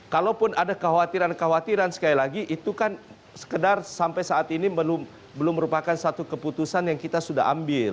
kalaupun ada kekhawatiran kekhawatiran sekali lagi itu kan sekedar sampai saat ini belum merupakan satu keputusan yang kita sudah ambil